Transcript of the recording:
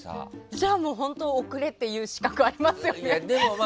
じゃあ本当、送れって言う資格ありませんね。